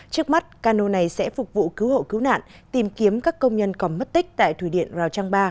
trước mắt cano này sẽ phục vụ cứu hộ cứu nạn tìm kiếm các công nhân có mất tích tại thủy điện rào trang ba